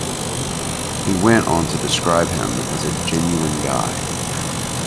He went onto describe him as a 'genuine guy'.